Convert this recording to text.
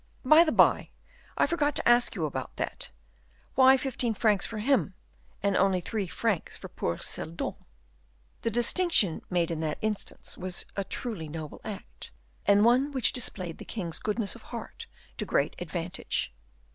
"By the by, I forgot to ask you about that. Why fifteen francs for him, and only three francs for poor Seldon?" "The distinction made in that instance was a truly noble act, and one which displayed the king's goodness of heart to great advantage."